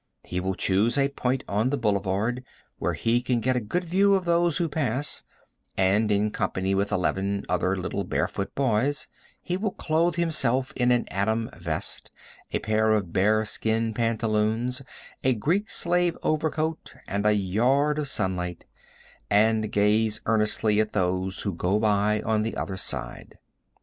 He will choose a point on the boulevard, where he can get a good view of those who pass, and in company with eleven other little barefoot boys, he will clothe himself in an Adam vest, a pair of bare skin pantaloons, a Greek slave overcoat and a yard of sunlight, and gaze earnestly at those who go by on the other side.